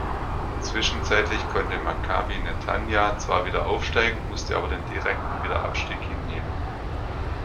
Zwischenzeitlich konnte Maccabi Netanja zwar wieder aufsteigen, musste aber den direkten Wiederabstieg hinnehmen.